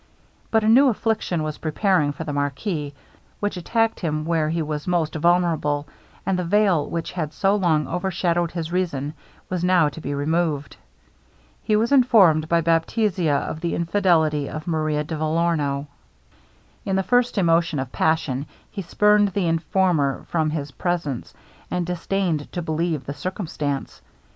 But a new affliction was preparing for the marquis, which attacked him where he was most vulnerable; and the veil, which had so long overshadowed his reason, was now to be removed. He was informed by Baptista of the infidelity of Maria de Vellorno. In the first emotion of passion, he spurned the informer from his presence, and disdained to believe the circumstance.